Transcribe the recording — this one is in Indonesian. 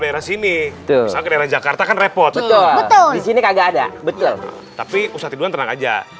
daerah sini besok di jakarta kan repot betul betul disini kagak ada betul tapi usah tiduran tenang aja